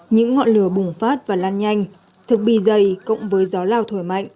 những ngọn lửa bùng phát và lan nhanh thực bì dày cộng với gió lao thổi mạnh